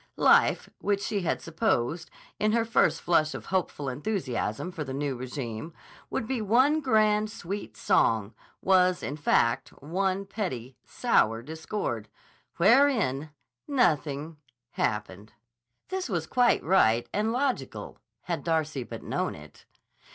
Life, which she had supposed, in her first flush of hopeful enthusiasm for the new régime, would be one grand, sweet song, was, in fact, one petty, sour discord—wherein nothing happened. This was quite right and logical, had Darcy but known it.